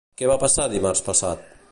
Què va passar dimarts passat?